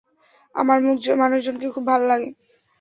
আমার মানুষজনকে খুব ভালো লাগে।